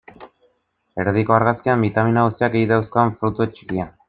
Erdiko argazkian, bitamina guztiak ei dauzkan fruta txikia.